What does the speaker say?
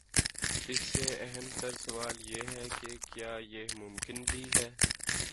اس سے اہم تر سوال یہ ہے کہ کیا یہ ممکن بھی ہے؟